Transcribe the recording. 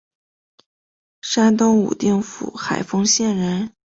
山东武定府海丰县人。